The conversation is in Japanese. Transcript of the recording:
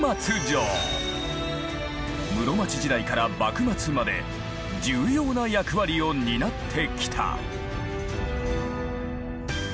室町時代から幕末まで重要な役割を担ってきた。